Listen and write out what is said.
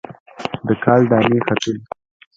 د کال دانې ختلي